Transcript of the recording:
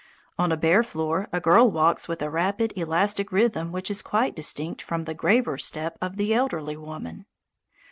On a bare floor a girl walks with a rapid, elastic rhythm which is quite distinct from the graver step of the elderly woman.